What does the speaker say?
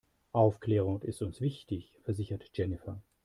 Aufklärung ist uns wichtig, versichert Jennifer.